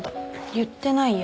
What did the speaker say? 言ってないや。